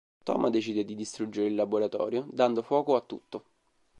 Tom decide di distruggere il laboratorio, dando fuoco a tutto.